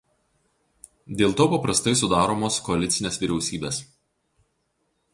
Dėl to paprastai sudaromos koalicinės vyriausybės.